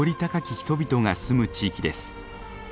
人々が住む地域です。